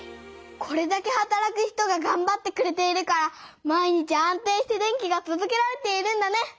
これだけはたらく人ががんばってくれているから毎日安定して電気がとどけられているんだね。